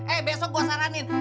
eh besok gua saranin